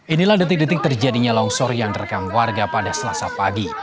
inilah detik detik terjadinya longsor yang terekam warga pada selasa pagi